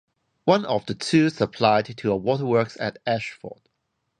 One of two supplied to a waterworks at Ashford.